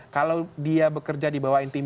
kalau dia bekerja di bawah intim